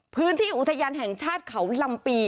พื้นที่อุทยานแห่งชาติเขาลำปี